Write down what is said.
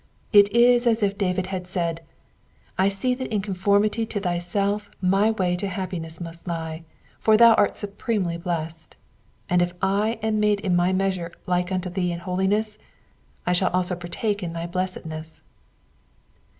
It is as if David had said — I see that in conformity to thyself my way to happiness must lie, for thou art supremely blessed ; and if I am made in my measure like to thee in holiness, I shall also partake in thy blessedness.